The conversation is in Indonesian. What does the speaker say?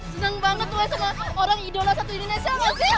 senang banget orang idola satu indonesia